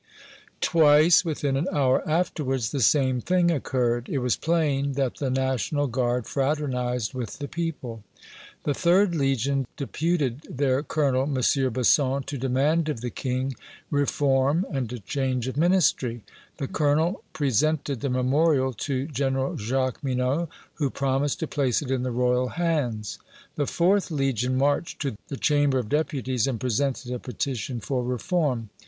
Twice, within an hour afterwards, the same thing occurred. It was plain that the National Guard fraternized with the people. The 3d Legion deputed their colonel, M. Besson, to demand of the King reform and a change of Ministry. The colonel presented the memorial to General Jaqueminot, who promised to place it in the Royal hands. The 4th Legion marched to the Chamber of Deputies and presented a petition for reform.